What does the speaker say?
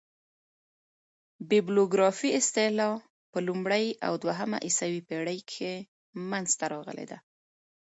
بیبلوګرافي اصطلاح په لومړۍ او دوهمه عیسوي پېړۍ کښي منځ ته راغلې ده.